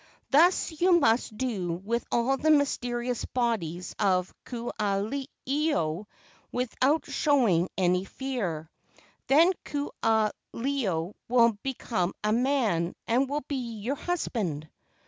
Thus you must do with all the mysterious bodies of Ku aha ilo without showing any fear. Then Ku aha ilo will become a man and will be your husband."